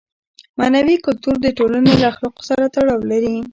معنوي کلتور د ټولنې له اخلاقو سره تړاو لري.